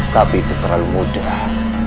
tapi itu terlalu mudah